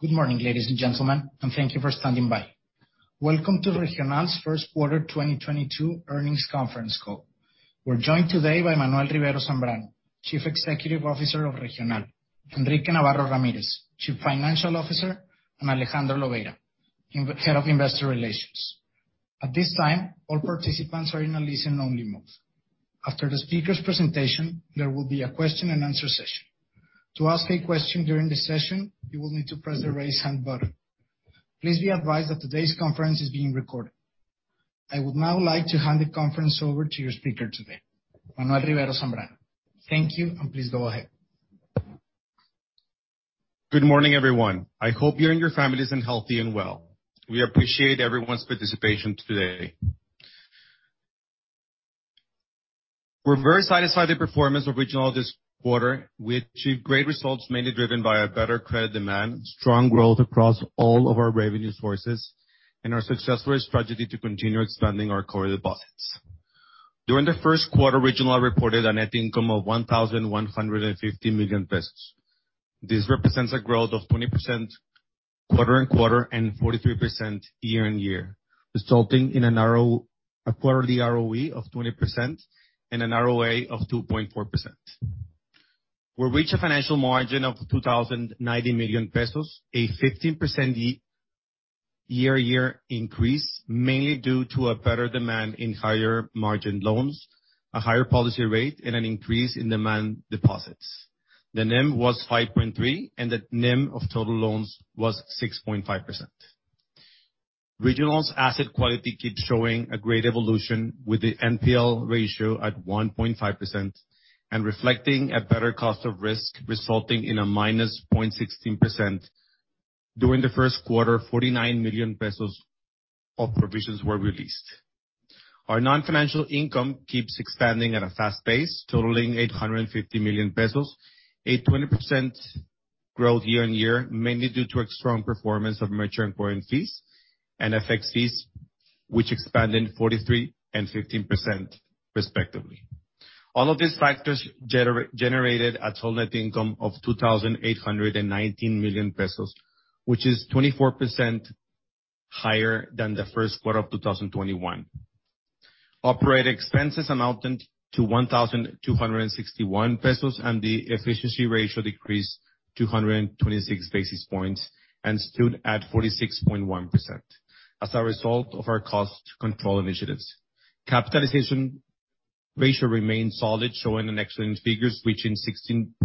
Good morning, ladies and gentlemen, and thank you for standing by. Welcome to Regional's first quarter 2022 earnings conference call. We're joined today by Manuel Rivero Zambrano, Chief Executive Officer of Regional, Enrique Navarro Ramírez, Chief Financial Officer, and Alejandro Lobeira, Head of Investor Relations. At this time, all participants are in a listen only mode. After the speaker's presentation, there will be a question and answer session. To ask a question during the session, you will need to press the Raise Hand button. Please be advised that today's conference is being recorded. I would now like to hand the conference over to your speaker today, Manuel Rivero Zambrano. Thank you, and please go ahead. Good morning, everyone. I hope you and your families are healthy and well. We appreciate everyone's participation today. We're very satisfied with the performance of Regional this quarter. We achieved great results, mainly driven by a better credit demand, strong growth across all of our revenue sources, and our successful strategy to continue expanding our core deposits. During the first quarter, Regional reported a net income of 1,150 million pesos. This represents a growth of 20% quarter-over-quarter and 43% year-on-year, resulting in a quarterly ROE of 20% and an ROA of 2.4%. We reach a financial margin of 2,090 million pesos, a 15% year-on-year increase, mainly due to a better demand in higher margin loans, a higher policy rate, and an increase in demand deposits. The NIM was 5.3, and the NIM of total loans was 6.5%. Regional's asset quality keeps showing a great evolution with the NPL ratio at 1.5% and reflecting a better cost of risk, resulting in a -0.16%. During the first quarter, 49 million pesos of provisions were released. Our non-financial income keeps expanding at a fast pace, totaling 850 million pesos, a 20% growth year-on-year, mainly due to a strong performance of merchant foreign fees and FX fees, which expanded 43% and 15% respectively. All of these factors generated a total net income of 2,819 million pesos, which is 24% higher than the first quarter of 2021. Operating expenses amounted to 1,261 pesos, and the efficiency ratio decreased 226 basis points and stood at 46.1% as a result of our cost control initiatives. Capitalization ratio remains solid, showing an excellent figures, reaching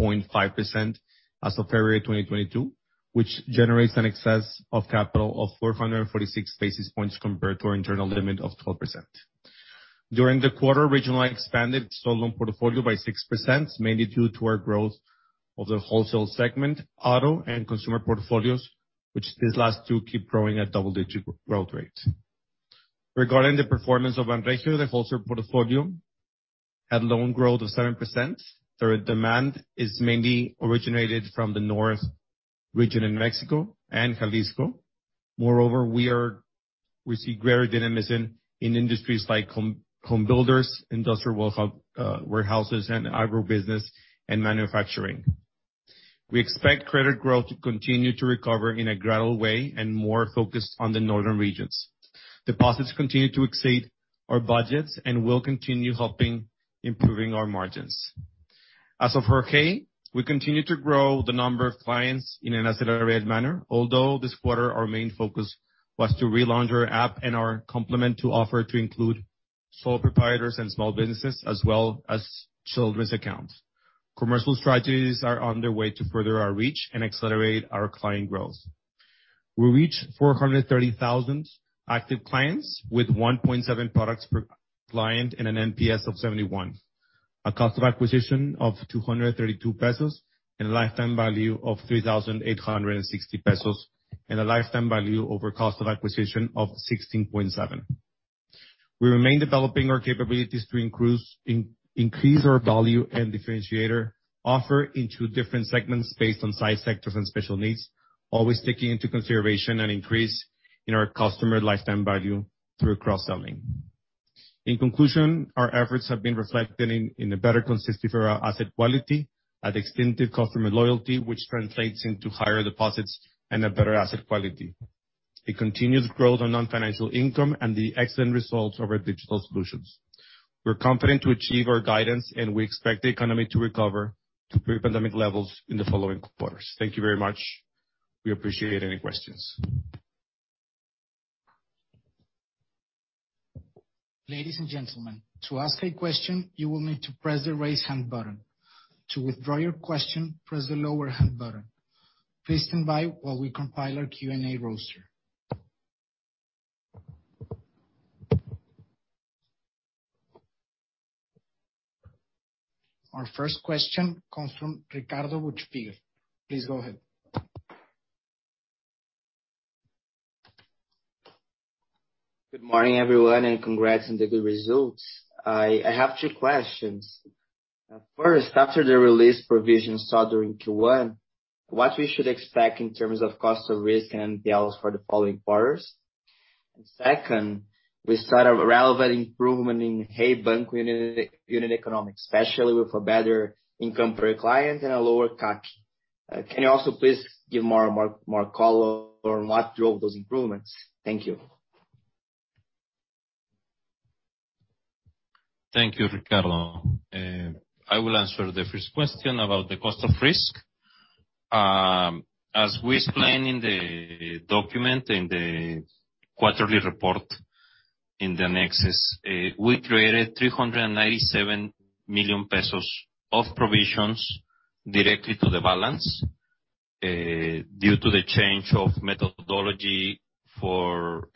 16.5% as of February 2022, which generates an excess of capital of 446 basis points compared to our internal limit of 12%. During the quarter, Regional expanded its total loan portfolio by 6%, mainly due to our growth of the wholesale segment, auto, and consumer portfolios, which these last two keep growing at double-digit growth rates. Regarding the performance of Banregio, the wholesale portfolio had loan growth of 7%. Their demand is mainly originated from the North region in Mexico and Jalisco. Moreover, we see greater dynamism in industries like home builders, industrial warehouses, and agro business and manufacturing. We expect credit growth to continue to recover in a gradual way and more focused on the northern regions. Deposits continue to exceed our budgets and will continue helping improving our margins. As of Hey, we continue to grow the number of clients in an accelerated manner, although this quarter, our main focus was to relaunch our app and our complement to offer to include sole proprietors and small businesses as well as children's accounts. Commercial strategies are underway to further our reach and accelerate our client growth. We reached 430,000 active clients with 1.7 products per client and an NPS of 71, a cost of acquisition of 232 pesos, and a lifetime value of 3,860 pesos, and a lifetime value over cost of acquisition of 16.7. We remain developing our capabilities to increase our value and differentiator offer into different segments based on size, sectors, and special needs, always taking into consideration an increase in our customer lifetime value through cross-selling. In conclusion, our efforts have been reflected in a better consistency in our asset quality, an extensive customer loyalty which translates into higher deposits and a better asset quality, a continuous growth in non-financial income, and the excellent results of our digital solutions. We're confident to achieve our guidance, and we expect the economy to recover to pre-pandemic levels in the following quarters. Thank you very much. We appreciate any questions. Ladies and gentlemen, to ask a question, you will need to press the Raise Hand button. To withdraw your question, press the Lower Hand button. Please stand by while we compile our Q&A roster. Our first question comes from Ricardo Buchpiguel. Please go ahead. Good morning, everyone, and congrats on the good results. I have two questions. First, after the provisions release we saw during Q1, what we should expect in terms of cost of risk and NPLs for the following quarters? Second, we saw a relevant improvement in Hey Banco unit economics, especially with a better income per client and a lower CAC. Can you also please give more color on what drove those improvements? Thank you. Thank you, Ricardo. I will answer the first question about the cost of risk. As we explained in the document, in the quarterly report, in the annexes, we created 397 million pesos of provisions directly to the balance due to the change of methodology for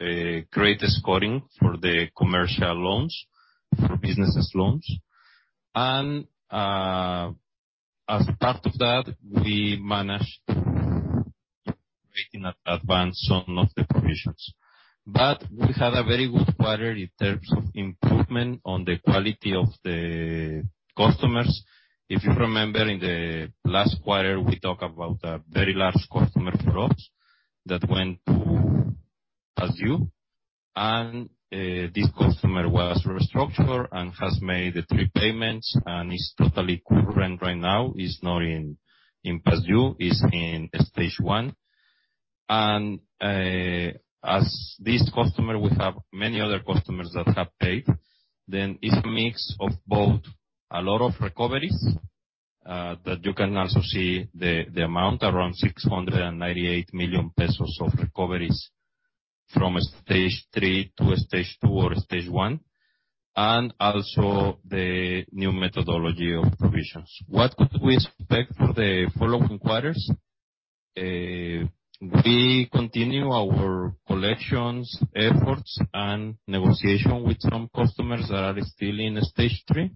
greater scoring for the commercial loans, for business loans. As part of that, we managed advance some of the provisions. We had a very good quarter in terms of improvement on the quality of the customers. If you remember, in the last quarter, we talk about a very large customer for us that went to Past Due. This customer was restructured and has made three payments and is totally current right now. He's not in Past Due. He's in stage one. As this customer, we have many other customers that have paid. It's a mix of both a lot of recoveries, that you can also see the amount, around 698 million pesos of recoveries from a stage three to a stage two or stage one, and also the new methodology of provisions. What could we expect for the following quarters? We continue our collections efforts and negotiation with some customers that are still in stage three.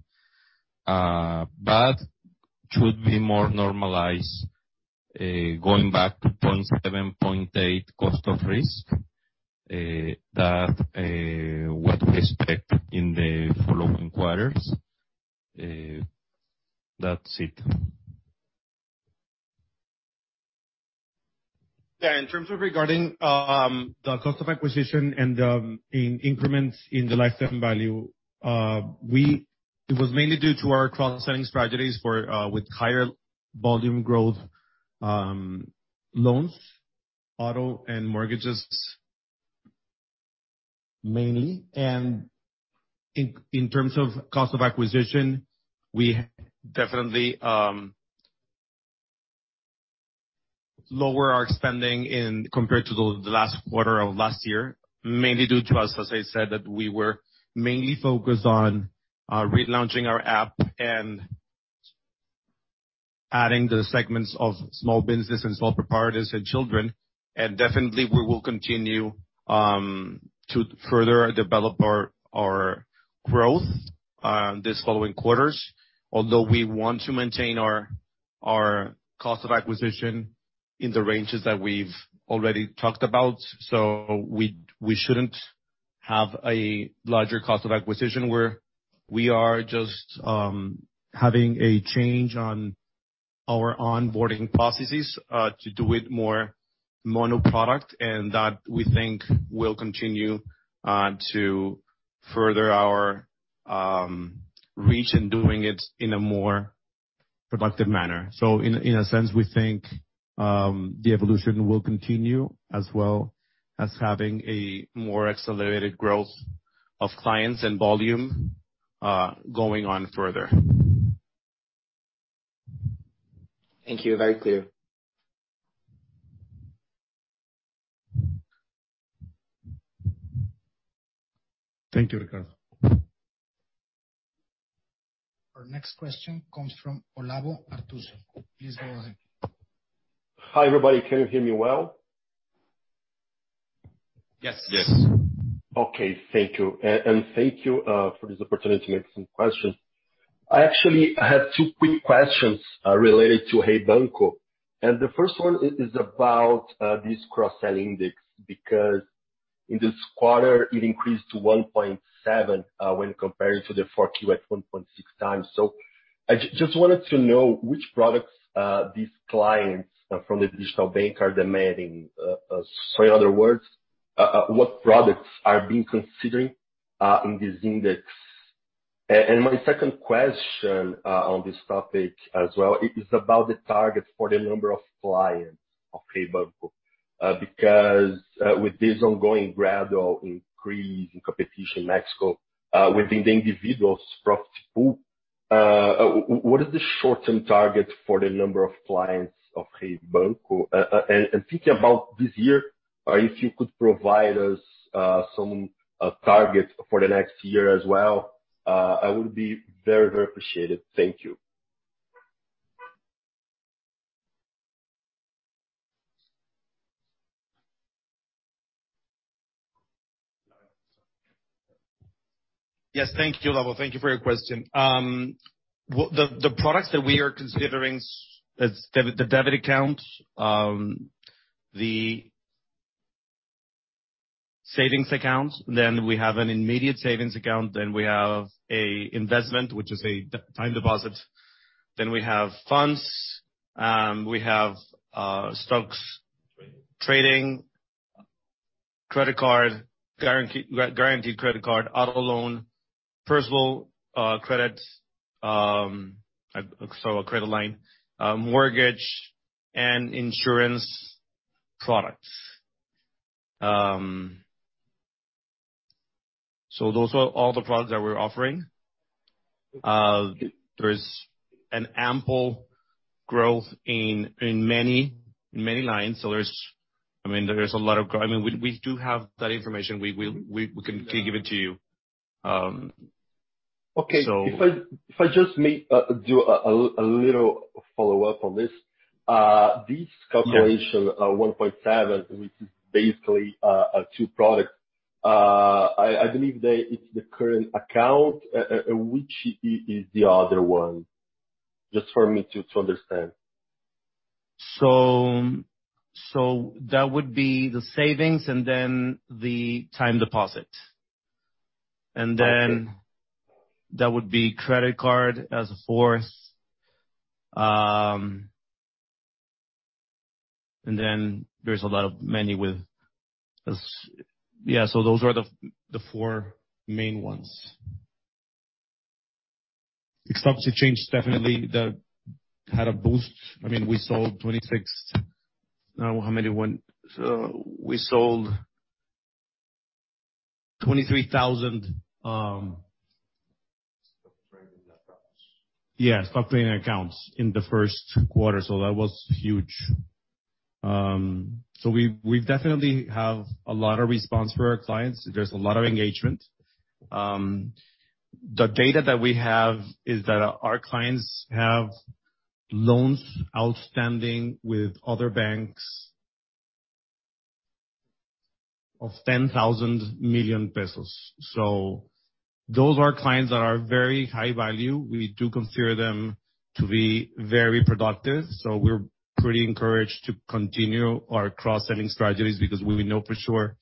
Should be more normalized, going back to 0.7%-0.8% cost of risk. That's what we expect in the following quarters. That's it. Yeah. In terms of regarding the cost of acquisition and the increments in the lifetime value, it was mainly due to our cross-selling strategies for with higher volume growth loans, auto and mortgages mainly. In terms of cost of acquisition, we definitely lower our spending compared to the last quarter of last year, mainly due to, as I said, that we were mainly focused on relaunching our app and adding the segments of small business and sole proprietors and children. We will continue to further develop our growth this following quarters. Although we want to maintain our cost of acquisition in the ranges that we've already talked about, so we shouldn't have a larger cost of acquisition. We are just having a change on our onboarding processes to do it more monoproduct, and that we think will continue to further our reach in doing it in a more productive manner. In a sense, we think the evolution will continue, as well as having a more accelerated growth of clients and volume going on further. Thank you. Very clear. Thank you, Ricardo. Our next question comes from Olavo Arthuzo. Please go ahead. Hi, everybody. Can you hear me well? Yes. Yes. Okay. Thank you. Thank you for this opportunity to make some questions. I actually have two quick questions related to Hey Banco, and the first one is about this cross-sell index, because in this quarter, it increased to 1.7 when comparing to the 4Q at 1.6 times. I just wanted to know which products these clients from the digital bank are demanding. Sorry, in other words, what products are being considering in this index? My second question on this topic as well is about the targets for the number of clients of Hey Banco. Because with this ongoing gradual increase in competition in Mexico within the individuals profit pool, what is the short-term target for the number of clients of Hey Banco? Thinking about this year, or if you could provide us some targets for the next year as well, I would be very, very appreciative. Thank you. Yes. Thank you, Olavo. Thank you for your question. The products that we are considering is the debit account, the savings account, then we have an immediate savings account, then we have a investment, which is a time deposit, then we have stocks trading, credit card, guaranteed credit card, auto loan, personal credit, a credit line, mortgage and insurance products. Those are all the products that we're offering. There's an ample growth in many lines. I mean, we can give it to you. Okay. If I just may do a little follow-up on this. This calculation. Yes. -of 1.7, which is basically two products. I believe that it's the current account. Which is the other one? Just for me to understand. that would be the savings and then the time deposit. That would be credit card as a fourth. There's a lot of menu with. Yeah, those are the four main ones. Except to change, definitely had a boost. I mean, we sold 26. Now how many went? We sold 23,000. Stock trading accounts. Yeah, stock trading accounts in the first quarter, so that was huge. We definitely have a lot of response for our clients. There's a lot of engagement. The data that we have is that our clients have loans outstanding with other banks of 10,000 million pesos. Those are clients that are very high value. We do consider them to be very productive, so we're pretty encouraged to continue our cross-selling strategies because we know for sure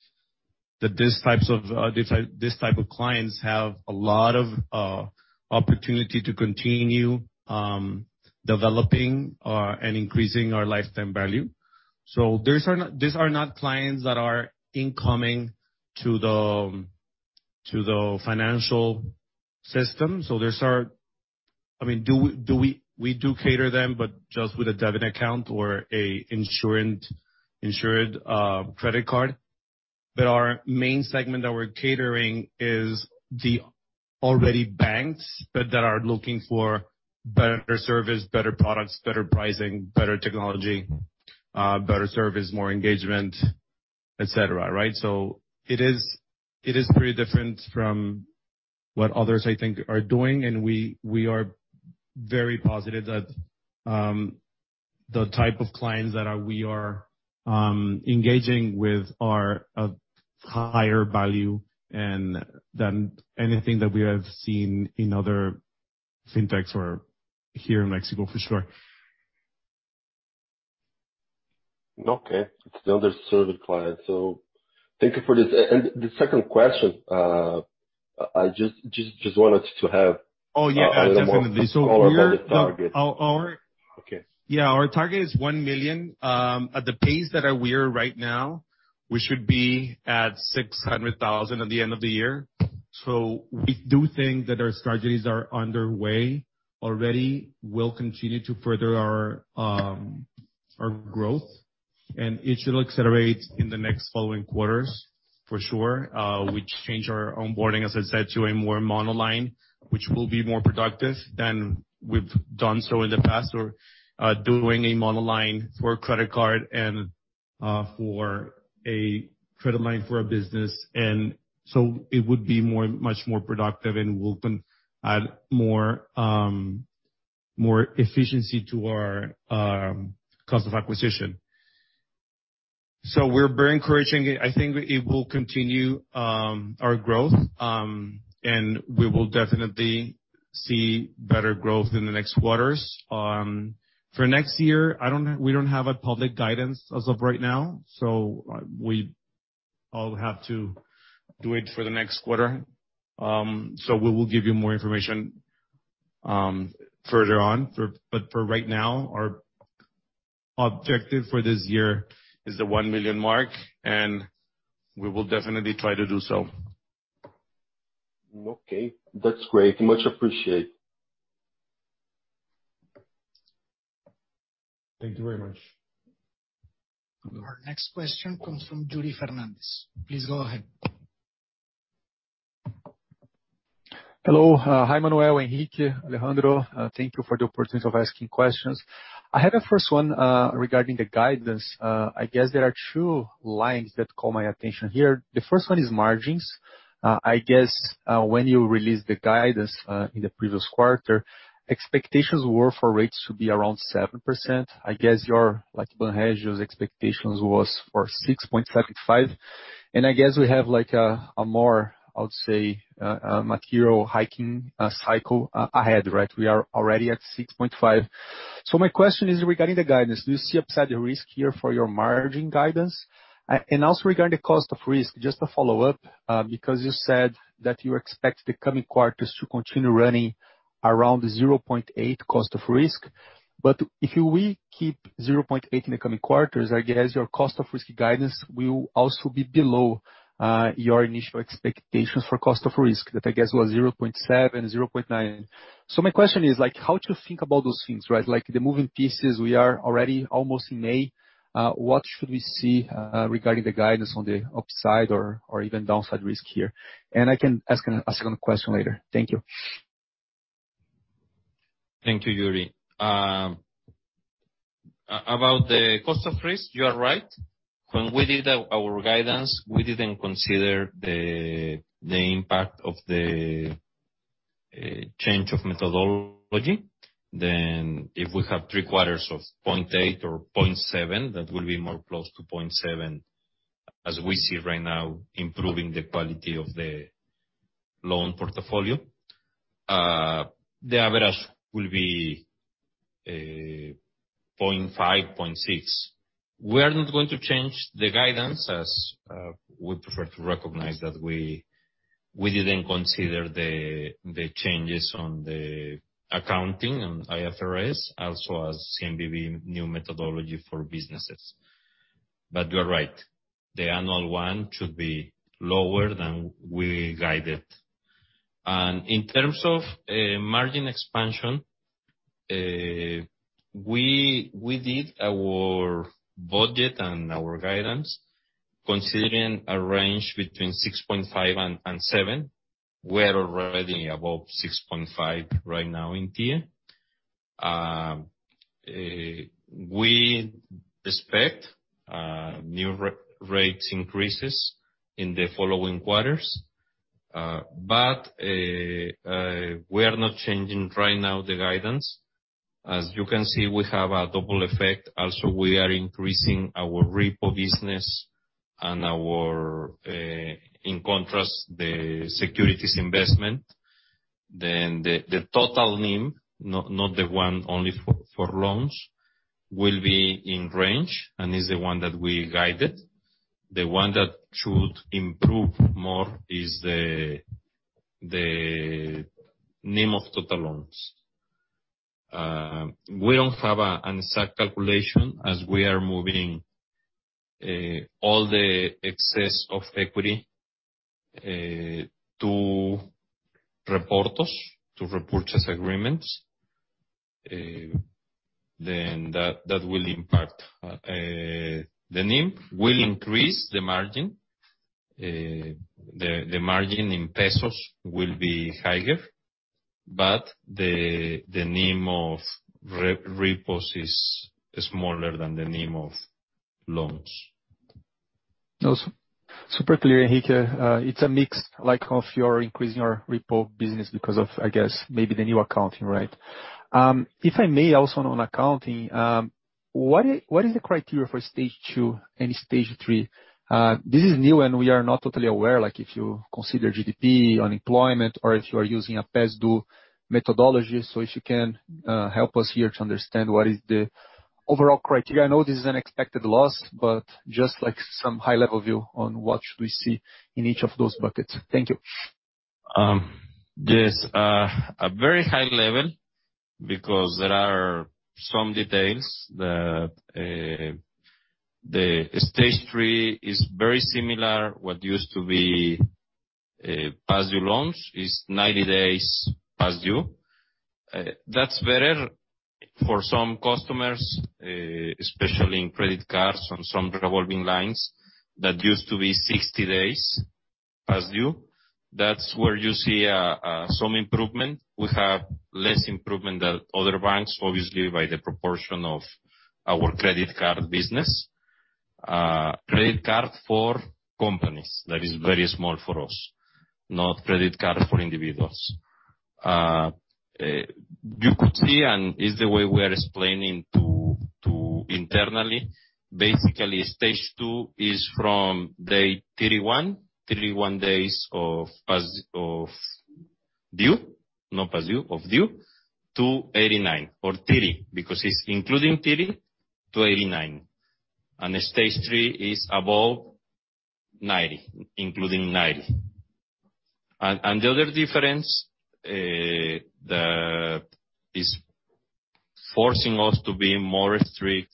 that these types of these type of clients have a lot of opportunity to continue developing and increasing our lifetime value. These are not clients that are incoming to the financial system. I mean, we do cater them, but just with a debit account or an insured credit card. Our main segment that we're catering is the already banked that are looking for better service, better products, better pricing, better technology, better service, more engagement, et cetera, right? It is pretty different from what others, I think, are doing. We are very positive that the type of clients that we are engaging with are of higher value than anything that we have seen in other fintechs or here in Mexico for sure. Okay. It's the underserved client. Thank you for this. The second question, I just wanted to have- Oh, yeah, definitely. a little more color about the target. Our Okay. Yeah, our target is 1 million. At the pace that we're right now, we should be at 600,000 at the end of the year. We do think that our strategies are underway already. We'll continue to further our growth, and it should accelerate in the next following quarters for sure. We changed our onboarding, as I said, to a more monoline, which will be more productive than we've done so in the past. We're doing a monoline for credit card and for a credit line for a business. It would be much more productive, and we'll then add more efficiency to our cost of acquisition. We're very encouraged. I think it will continue our growth, and we will definitely see better growth in the next quarters. For next year, we don't have a public guidance as of right now, so we all have to do it for the next quarter. We will give you more information, but for right now, our objective for this year is the 1 million mark, and we will definitely try to do so. Okay. That's great. Much appreciated. Thank you very much. Our next question comes from Yuri Fernandes. Please go ahead. Hello. Hi, Manuel, Enrique, Alejandro. Thank you for the opportunity of asking questions. I had a first one regarding the guidance. I guess there are two lines that call my attention here. The first one is margins. I guess when you released the guidance in the previous quarter, expectations were for rates to be around 7%. I guess your, like, Banregio's expectations was for 6.75%. And I guess we have, like, a more, I would say, material hiking cycle ahead, right? We are already at 6.5%. My question is regarding the guidance. Do you see upside risk here for your margin guidance? Also regarding the cost of risk, just to follow up, because you said that you expect the coming quarters to continue running around the 0.8% cost of risk. But if we keep 0.8% in the coming quarters, I guess your cost of risk guidance will also be below your initial expectations for cost of risk. That, I guess, was 0.7%-0.9%. My question is, like, how to think about those things, right? Like, the moving pieces, we are already almost in May. What should we see regarding the guidance on the upside or even downside risk here? I can ask another question later. Thank you. Thank you, Yuri. About the cost of risk, you are right. When we did our guidance, we didn't consider the impact of the change of methodology. If we have three quarters of 0.8% or 0.7%, that will be more close to 0.7%, as we see right now improving the quality of the loan portfolio. The average will be 0.5, 0.6. We are not going to change the guidance as we prefer to recognize that we didn't consider the changes on the accounting and IFRS, also as CNBV new methodology for businesses. You are right, the annual one should be lower than we guided. In terms of margin expansion, we did our budget and our guidance considering a range between 6.5% and 7%. We're already above 6.5% right now in TIIE. We expect new rate increases in the following quarters. We are not changing right now the guidance. As you can see, we have a double effect. Also, we are increasing our reportos business and, in contrast, the securities investment. The total NIM, not the one only for loans, will be in range, and is the one that we guided. The one that should improve more is the NIM of total loans. We don't have an exact calculation as we are moving all the excess of equity to reportos, to repurchase agreements. That will impact. The NIM will increase the margin. The margin in pesos will be higher, but the NIM of reportos is smaller than the NIM of loans. No, super clear, Enrique. It's a mix like of your increasing your repo business because of, I guess, maybe the new accounting, right? If I may, also on accounting, what is the criteria for stage two and stage three? This is new and we are not totally aware, like if you consider GDP, unemployment, or if you are using a past due methodology. If you can help us here to understand what is the overall criteria. I know this is an expected loss, but just like some high-level view on what should we see in each of those buckets. Thank you. Yes. A very high level because there are some details. The stage three is very similar, what used to be past due loans. It's 90 days past due. That's better for some customers, especially in credit cards on some revolving lines that used to be 60 days past due. That's where you see some improvement. We have less improvement than other banks, obviously, by the proportion of our credit card business. Credit card for companies, that is very small for us, not credit card for individuals. You could see, and is the way we are explaining to internally, basically stage two is from day 31 days past due to 89, or 30, because it's including 30 to 89. Stage three is above 90, including 90. The other difference is forcing us to be more strict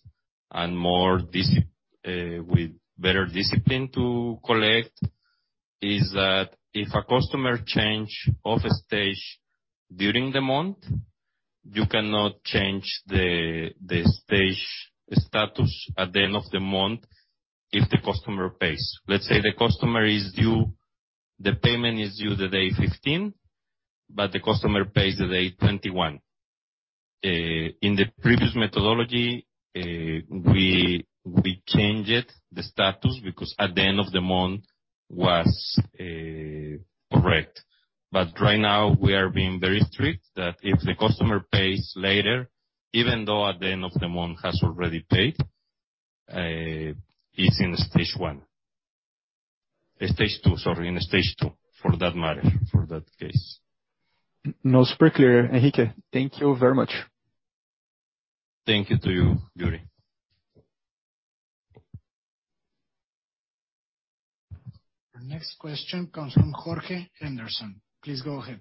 and more disciplined with better discipline to collect, is that if a customer changes stage during the month, you cannot change the stage status at the end of the month if the customer pays. Let's say the customer is due, the payment is due day 15, but the customer pays day 21. In the previous methodology, we changed the status because at the end of the month it was correct. Right now we are being very strict, that if the customer pays later, even though at the end of the month it has already paid, it's in stage two for that case. No, super clear, Enrique. Thank you very much. Thank you to you, Yuri. Our next question comes from Jorge Henderson. Please go ahead.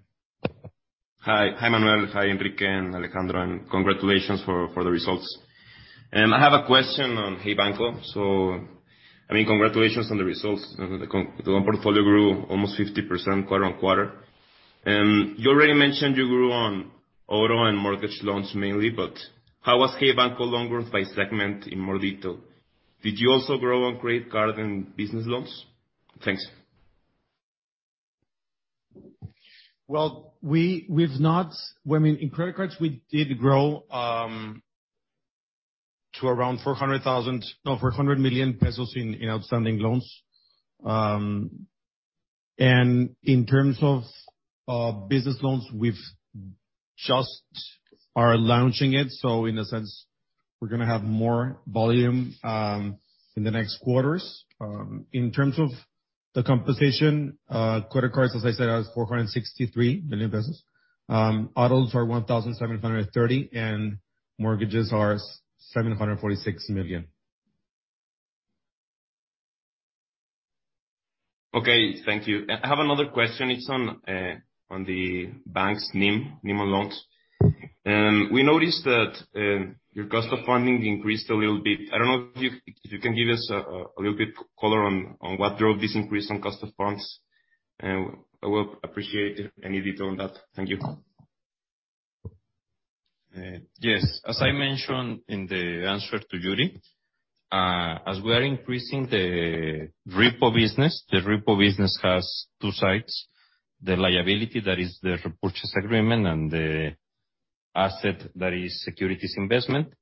Hi. Hi, Manuel. Hi, Enrique and Alejandro, and congratulations for the results. I have a question on Hey Banco. I mean, congratulations on the results. The loan portfolio grew almost 50% quarter-on-quarter. You already mentioned you grew on auto and mortgage loans mainly, but how was Hey Banco loan growth by segment in more detail? Did you also grow on credit card and business loans? Thanks. Well, I mean, in credit cards, we did grow to around 400 million pesos in outstanding loans. In terms of business loans, we are just launching it, so in a sense, we're gonna have more volume in the next quarters. In terms of the consumer, credit cards, as I said, has 463 million pesos. Autos are 1,730 million, and mortgages are 746 million. Okay, thank you. I have another question. It's on the bank's NIM on loans. We noticed that your cost of funding increased a little bit. I don't know if you can give us a little bit color on what drove this increase in cost of funds. I will appreciate any detail on that. Thank you. Yes. As I mentioned in the answer to Yuri, as we are increasing the repo business, the repo business has two sides, the liability, that is the repurchase agreement, and the asset, that is securities investment.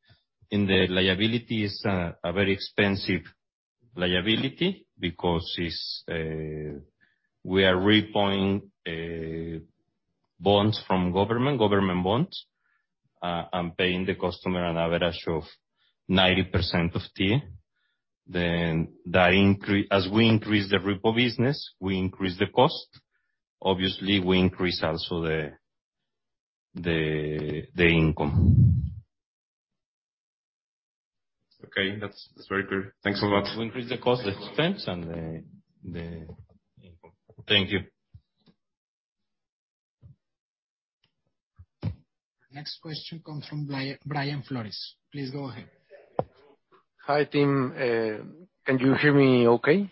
In the liabilities, are very expensive liability because it's, we are repoing, bonds from government bonds, and paying the customer an average of 90% of TIIE. As we increase the repo business, we increase the cost. Obviously, we increase also the income. Okay, that's very clear. Thanks a lot. We increase the cost, the expense, and the income. Thank you. Next question comes from Brian Flores. Please go ahead. Hi, team. Can you hear me okay?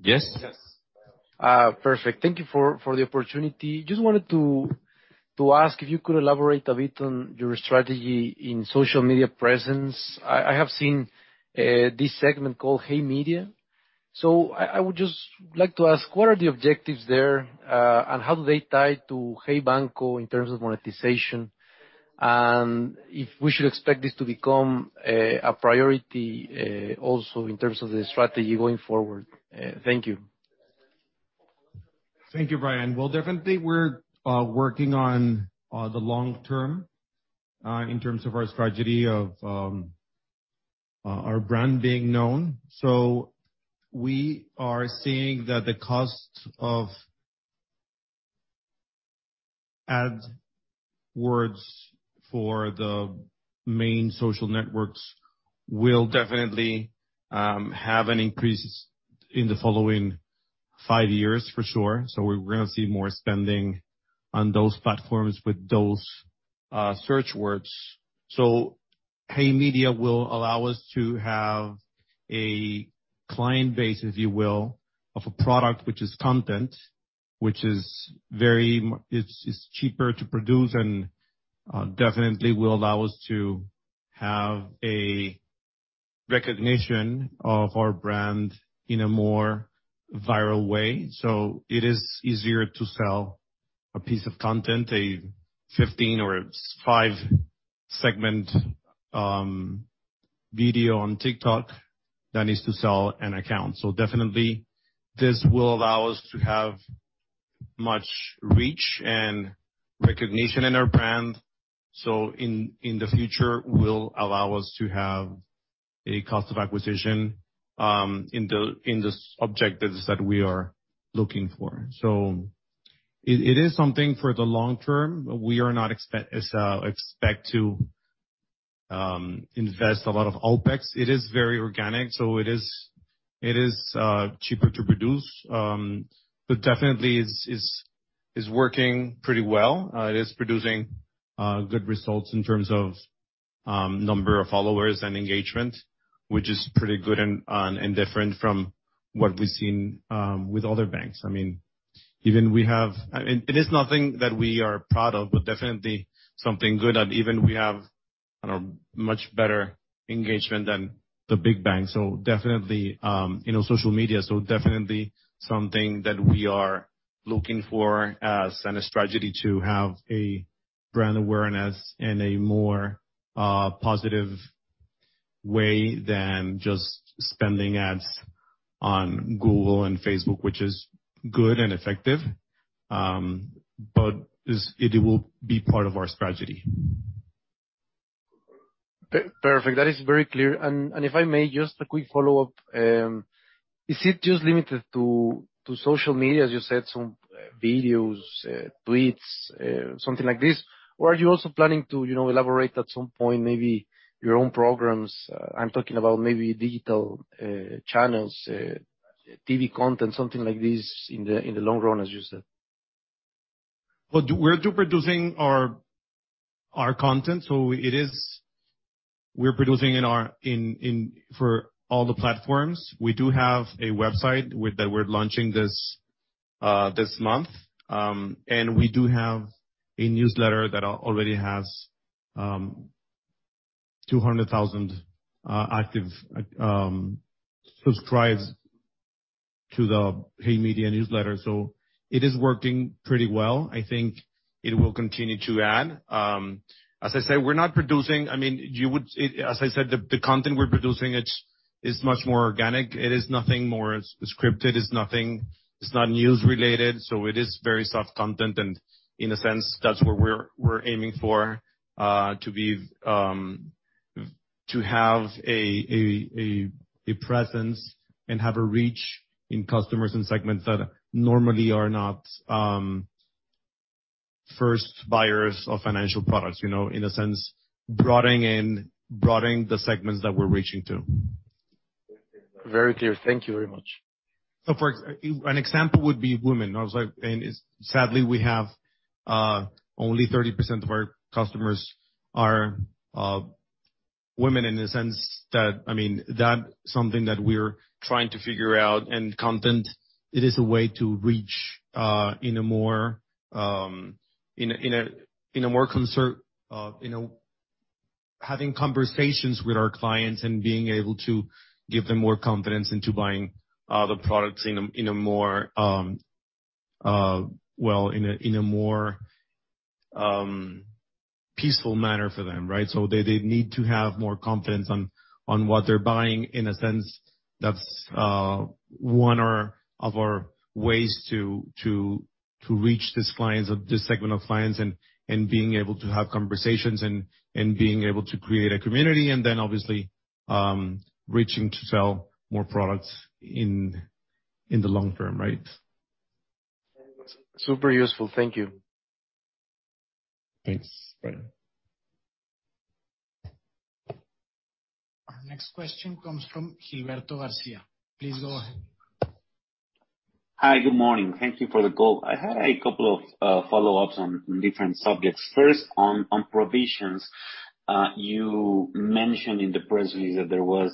Yes. Yes. Perfect. Thank you for the opportunity. Just wanted to ask if you could elaborate a bit on your strategy in social media presence. I have seen this segment called Hey Banco. So I would just like to ask, what are the objectives there, and how do they tie to Hey Banco in terms of monetization? And if we should expect this to become a priority, also in terms of the strategy going forward. Thank you. Thank you, Brian. Well, definitely we're working on the long term in terms of our strategy of our brand being known. We are seeing that the cost of ad words for the main social networks will definitely have an increase in the following 5 years for sure. We're gonna see more spending on those platforms with those search words. Hey Banco will allow us to have a client base, if you will, of a product which is content, which is cheaper to produce and definitely will allow us to have a recognition of our brand in a more viral way. It is easier to sell a piece of content, a 15- or 30-second segment video on TikTok, than it is to sell an account. Definitely this will allow us to have much reach and recognition in our brand. In the future will allow us to have a cost of acquisition in the objectives that we are looking for. It is something for the long term. We are not expect to invest a lot of OPEX. It is very organic, so it is cheaper to produce. But definitely is working pretty well. It is producing good results in terms of number of followers and engagement, which is pretty good and different from what we've seen with other banks. I mean, even we have. I mean, it is nothing that we are proud of, but definitely something good, and even we have, I don't know, much better engagement than the big banks. Definitely, social media, definitely something that we are looking for as a strategy to have a brand awareness in a more positive way than just spending ads on Google and Facebook, which is good and effective. It will be part of our strategy. Perfect. That is very clear. If I may, just a quick follow-up. Is it just limited to social media, as you said, some videos, tweets, something like this? Or are you also planning to, you know, elaborate at some point, maybe your own programs? I'm talking about maybe digital channels, TV content, something like this in the long run, as you said. Well, we're producing our content, so it is. We're producing for all the platforms. We do have a website we're launching this month. We do have a newsletter that already has 200,000 active subscribers to the Hey Banco newsletter, so it is working pretty well. I think it will continue to add. As I said, we're not producing. I mean, you would it. As I said, the content we're producing, it's much more organic. It is nothing more scripted. It's nothing. It's not news related, so it is very soft content. In a sense, that's what we're aiming for, to have a presence and have a reach in customers and segments that normally are not first buyers of financial products, you know. In a sense, broadening the segments that we're reaching to. Very clear. Thank you very much. An example would be women. Also, and sadly, we have only 30% of our customers are women in the sense that, I mean, that something that we're trying to figure out and content it is a way to reach in a more concerted way. Having conversations with our clients and being able to give them more confidence into buying the products in a more well in a more peaceful manner for them, right? They need to have more confidence on what they're buying. In a sense, that's one of our ways to reach these clients or this segment of clients and being able to have conversations and being able to create a community, and then obviously, reaching out to sell more products in the long term, right? Super useful. Thank you. Thanks. Bye. Our next question comes from Gilberto Garcia. Please go ahead. Hi, good morning. Thank you for the call. I had a couple of follow-ups on different subjects. First, on provisions. You mentioned in the press release that there was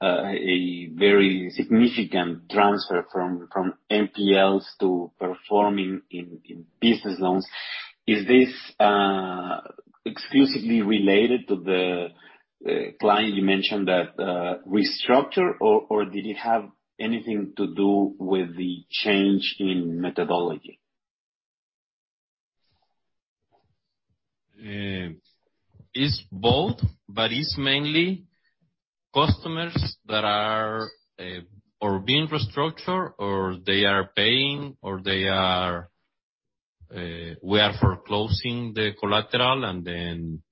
a very significant transfer from NPLs to performing in business loans. Is this exclusively related to the client you mentioned that restructured, or did it have anything to do with the change in methodology? It's both, but it's mainly customers that are being restructured, or they are paying, or we are foreclosing the collateral and then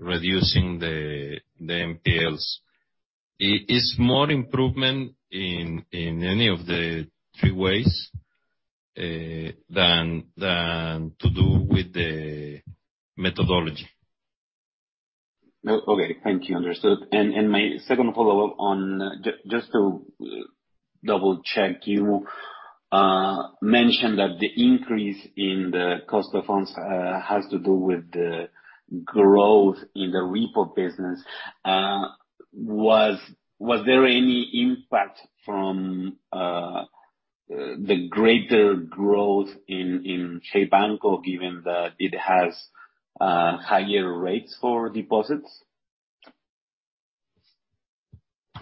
reducing the NPLs. It is more improvement in any of the three ways than to do with the methodology. No. Okay. Thank you. Understood. My second follow-up, just to double-check, you mentioned that the increase in the cost of funds has to do with the growth in the repo business. Was there any impact from the greater growth in Hey Banco, given that it has higher rates for deposits?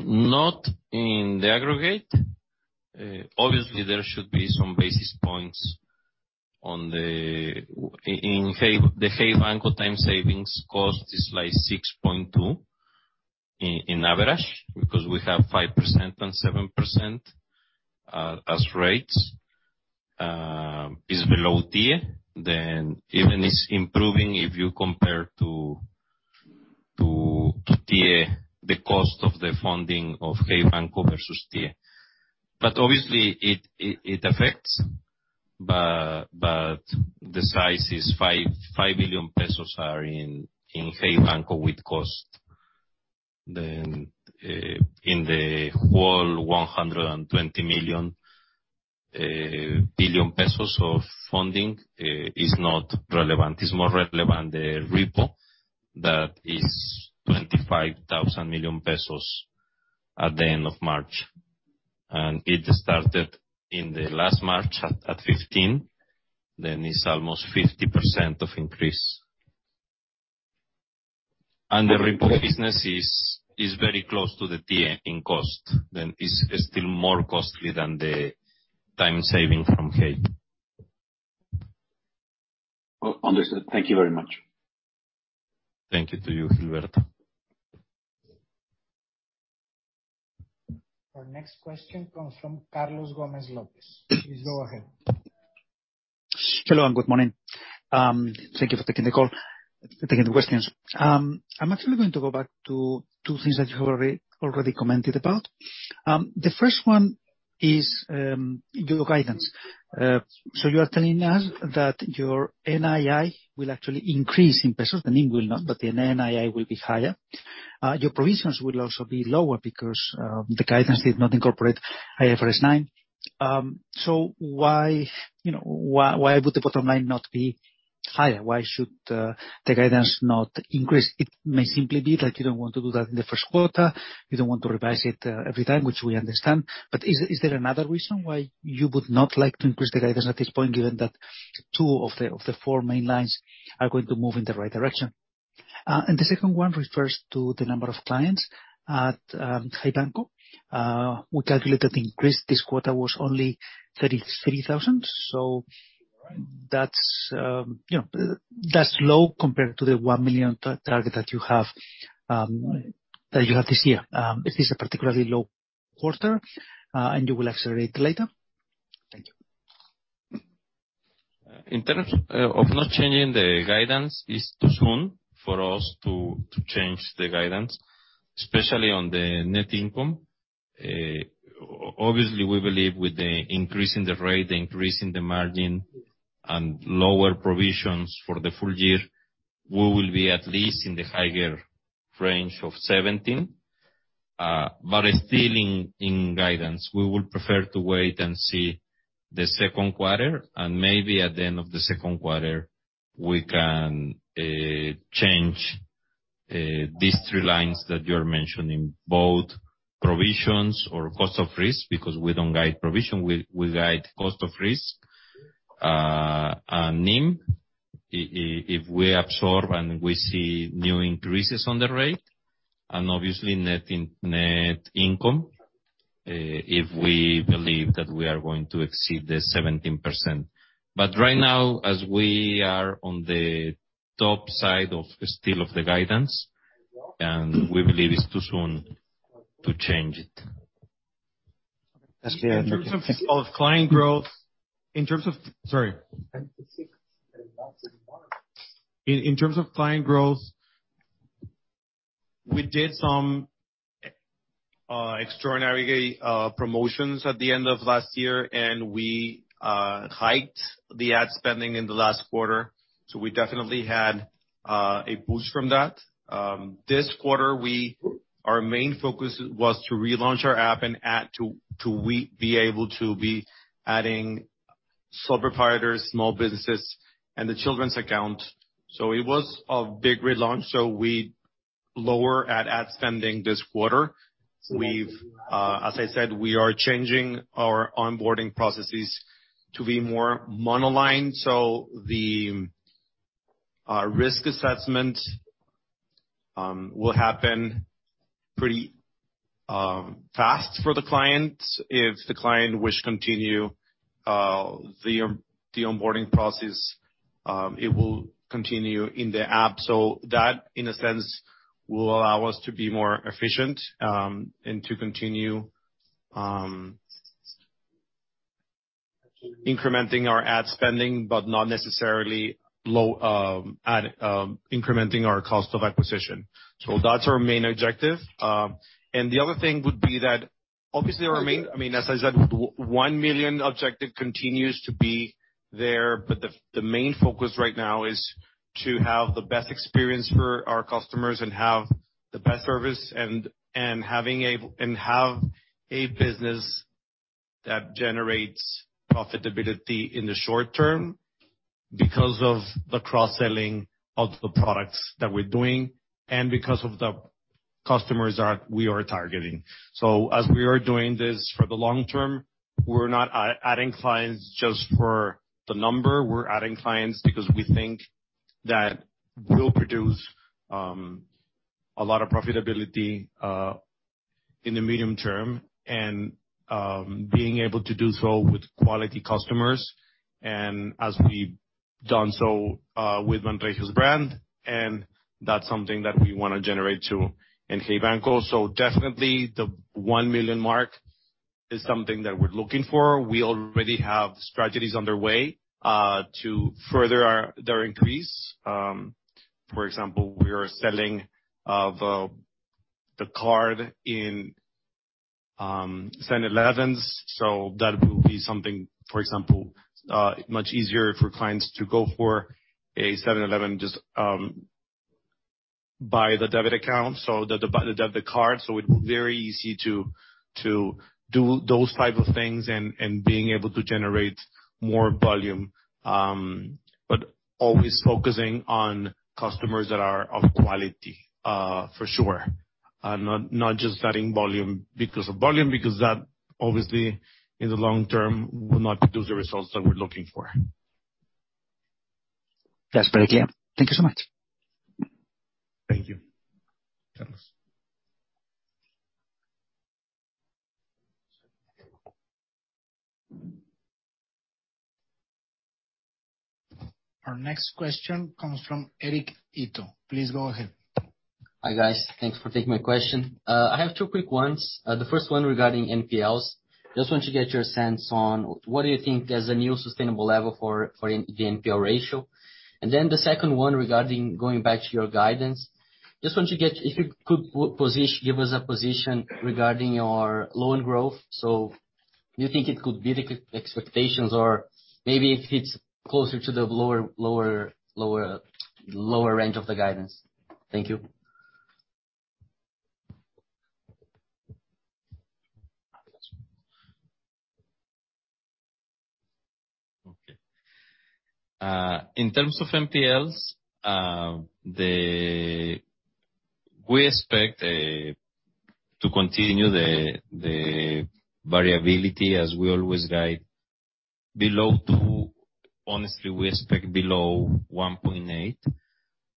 Not in the aggregate. Obviously, there should be some basis points in Hey Banco time savings cost is like 6.2% in average, because we have 5% and 7% as rates. It's below TIIE. Even it's improving if you compare to TIIE, the cost of the funding of Hey Banco versus TIIE. Obviously it affects, but the size is five million pesos in Hey Banco with cost. In the whole 120 billion pesos of funding is not relevant. It's more relevant the reporto that is 25 billion pesos at the end of March. It started in the last March at 15, then it's almost 50% of increase. The repo business is very close to the TIIE in cost, then it's still more costly than the TIIE saving from Hey. Well, understood. Thank you very much. Thank you to you, Gilberto. Our next question comes from Carlos Gomez-Lopez. Please go ahead. Hello, good morning. Thank you for taking the call, taking the questions. I'm actually going to go back to two things that you already commented about. The first one is your guidance. You are telling us that your NII will actually increase in pesos. The NIM will not, but the NII will be higher. Your provisions will also be lower because the guidance did not incorporate IFRS 9. Why, you know, why would the bottom line not be higher? Why should the guidance not increase? It may simply be that you don't want to do that in the first quarter. You don't want to revise it every time, which we understand. Is there another reason why you would not like to increase the guidance at this point, given that two of the four main lines are going to move in the right direction? The second one refers to the number of clients at Hey Banco. We calculated the increase this quarter was only 33,000. That's, you know, that's low compared to the 1 million target that you have this year. Is this a particularly low quarter, and you will accelerate later? Thank you. In terms of not changing the guidance, it's too soon for us to change the guidance, especially on the net income. Obviously, we believe with the increase in the rate, increase in the margin, and lower provisions for the full year, we will be at least in the higher range of 17, but still in guidance. We would prefer to wait and see the second quarter, and maybe at the end of the second quarter, we can change these three lines that you're mentioning, both provisions or cost of risk, because we don't guide provision. We guide cost of risk, and NIM, if we absorb, and we see new increases on the rate, and obviously net income, if we believe that we are going to exceed the 17%. Right now, as we are on the top side of, still of the guidance, and we believe it's too soon to change it. Okay. Thank you. In terms of client growth, we did some extraordinary promotions at the end of last year, and we hiked the ad spending in the last quarter. We definitely had a boost from that. This quarter, our main focus was to relaunch our app and add to be able to be adding sole proprietors, small businesses, and the children's account. It was a big relaunch, we lowered the ad spending this quarter. We have, as I said, we are changing our onboarding processes to be more monoline. The risk assessment will happen pretty fast for the clients. If the client wishes to continue the onboarding process, it will continue in the app. That, in a sense, will allow us to be more efficient and to continue incrementing our ad spending, but not necessarily incrementing our cost of acquisition. That's our main objective. The other thing would be that, obviously, our main, I mean, as I said, 1 million objective continues to be there, but the main focus right now is to have the best experience for our customers and have the best service and have a business that generates profitability in the short term because of the cross-selling of the products that we're doing and because of the customers we are targeting. As we are doing this for the long term, we're not adding clients just for the number. We're adding clients because we think that will produce a lot of profitability in the medium term and being able to do so with quality customers, and as we've done so with Banregio brand, and that's something that we wanna generate too in Hey Banco. Definitely, the 1 million mark is something that we're looking for. We already have strategies underway to further their increase. For example, we are selling the card in 7-Eleven, so that will be something much easier for clients to go to a 7-Eleven just buy the debit card, so it's very easy to do those type of things and being able to generate more volume, but always focusing on customers that are of quality for sure. Not just adding volume because of volume, because that obviously, in the long term, will not produce the results that we're looking for. That's very clear. Thank you so much. Thank you, Carlos. Our next question comes from Eric Ito. Please go ahead. Hi, guys. Thanks for taking my question. I have two quick ones. The first one regarding NPLs. Just want to get your sense on what do you think is a new sustainable level for the NPL ratio? The second one regarding going back to your guidance. Just want to get if you could give us a position regarding your loan growth. Do you think it could beat expectations or maybe if it's closer to the lower range of the guidance? Thank you. Okay. In terms of NPLs, the- we expect to continue the variability as we always guide below 2%. Honestly, we expect below 1.8%.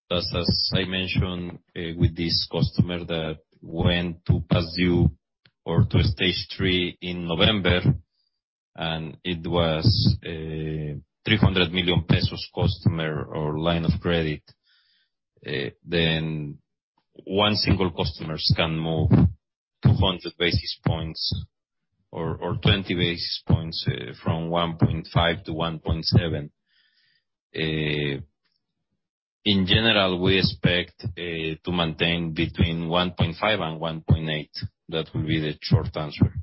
Just as I mentioned, with this customer that went to past due or to a stage three in November, and it was 300 million pesos customer or line of credit. Then one single customers can move 200 basis points or twenty basis points from 1.5% to 1.7%. In general, we expect to maintain between 1.5% and 1.8%. That would be the short answer.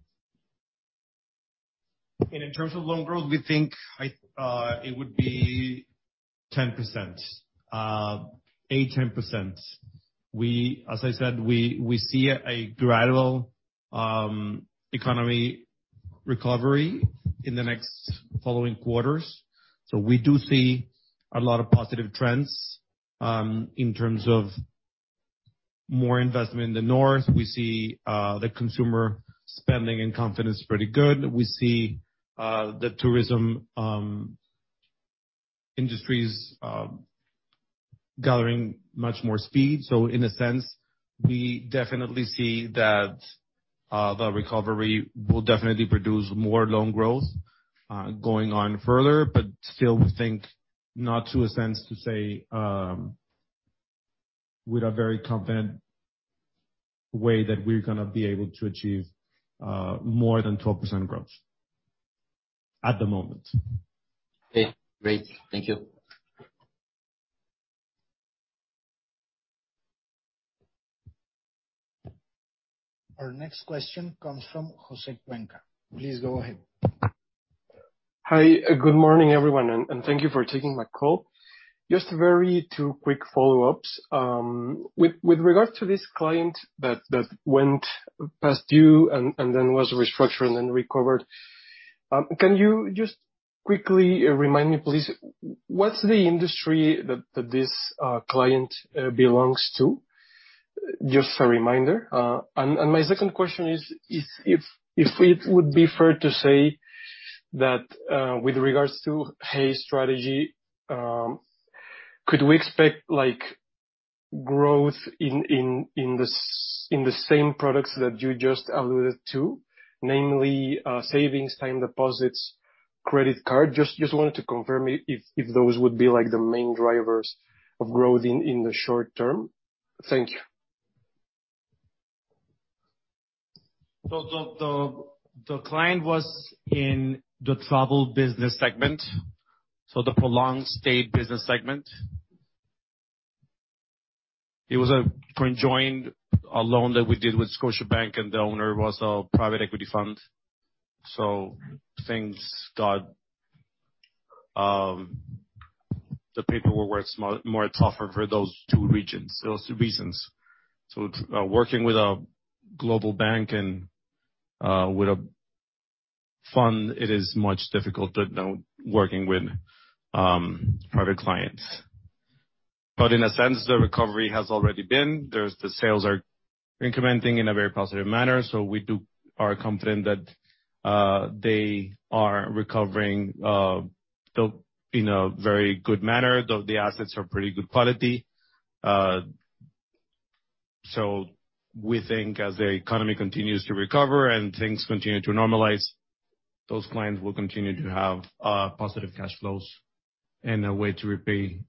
In terms of loan growth, we think it would be 10%, 8%-10%. As I said, we see a gradual economy recovery in the next following quarters. We do see a lot of positive trends in terms of more investment in the North. We see the consumer spending and confidence pretty good. We see the tourism industries gathering much more speed. In a sense, we definitely see that the recovery will definitely produce more loan growth going on further, but still we think not to a sense to say with a very confident way that we're gonna be able to achieve more than 12% growth at the moment. Okay, great. Thank you. Our next question comes from José Cuenca. Please go ahead. Hi. Good morning, everyone, and thank you for taking my call. Just two very quick follow-ups. With regards to this client that went past due and then was restructured and then recovered, can you just quickly remind me, please, what's the industry that this client belongs to? Just a reminder. My second question is if it would be fair to say that, with regards to Hey strategy, could we expect like growth in the same products that you just alluded to, namely, savings, time deposits, credit card? Just wanted to confirm if those would be like the main drivers of growth in the short term. Thank you. The client was in the travel business segment, the prolonged stay business segment. It was a conjoined loan that we did with Scotiabank, and the owner was a private equity fund. Things got, the paperwork were somewhat more tougher for those two reasons. Working with a global bank and with a fund, it is much more difficult than working with private clients. In a sense, the recovery has already begun. The sales are incrementing in a very positive manner, so we are confident that they are recovering in a very good manner. The assets are pretty good quality. We think as the economy continues to recover and things continue to normalize, those clients will continue to have positive cash flows and a way to repay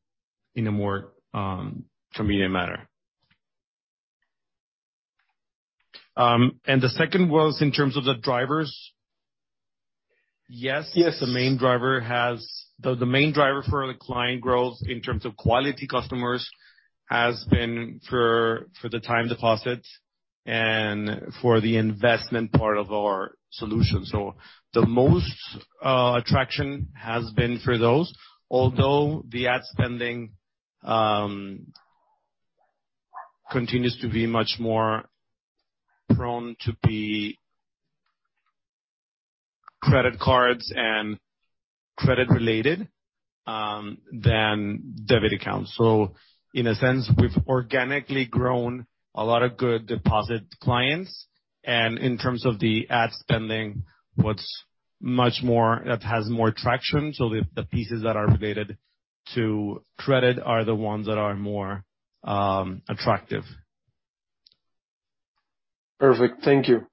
in a more convenient manner. The second was in terms of the drivers. Yes. Yes. The main driver for the client growth in terms of quality customers has been for the time deposits and for the investment part of our solution. The most attraction has been for those. Although the ad spending continues to be much more prone to be credit cards and credit related than debit accounts. In a sense, we've organically grown a lot of good deposit clients. In terms of the ad spending, that has more traction. The pieces that are related to credit are the ones that are more attractive. Perfect. Thank you.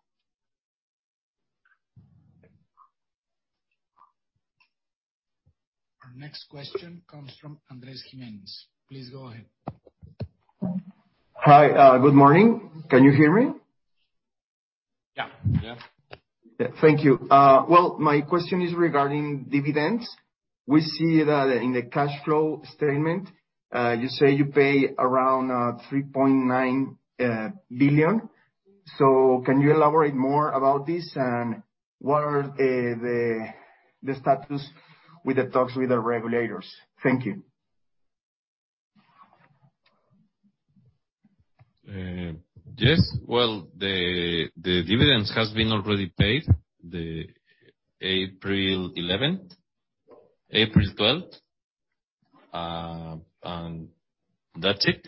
Our next question comes from Andrés Jiménez. Please go ahead. Hi. Good morning. Can you hear me? Yeah. Yeah. Thank you. Well, my question is regarding dividends. We see that in the cash flow statement, you say you pay around 3.9 billion. Can you elaborate more about this? What are the status with the talks with the regulators? Thank you. Yes. Well, the dividends has been already paid the April eleventh, April twelfth. That's it.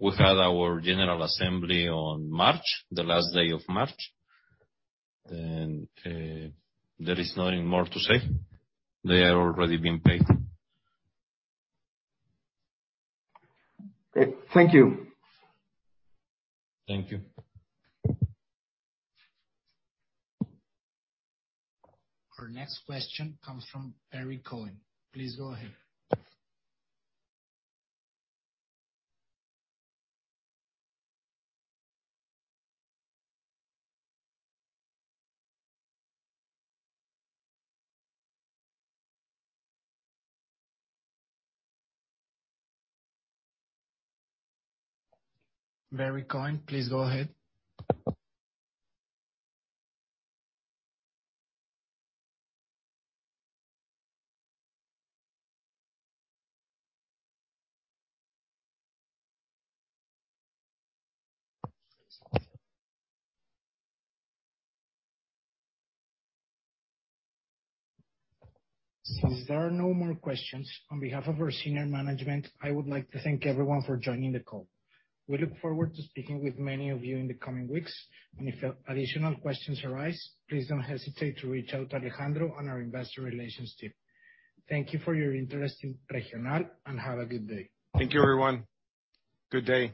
We had our general assembly on March, the last day of March. There is nothing more to say. They are already being paid. Great. Thank you. Thank you. Our next question comes from Barry Cohen. Please go ahead. Barry Cohen, please go ahead. Since there are no more questions, on behalf of our senior management, I would like to thank everyone for joining the call. We look forward to speaking with many of you in the coming weeks, and if additional questions arise, please don't hesitate to reach out to Alejandro and our investor relations team. Thank you for your interest in Regional, and have a good day. Thank you, everyone. Good day.